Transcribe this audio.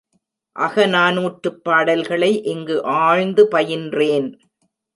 அகநானூற்றுப்பாடல்களை இங்கு ஆழ்ந்து பயின்றேன்.